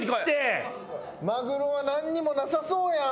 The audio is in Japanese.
マグロは何にもなさそうやん。